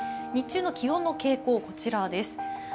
日中の気温の傾向、こちらです。